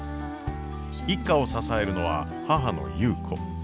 一家を支えるのは母の優子。